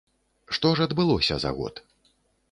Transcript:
Што ж адбылося за год?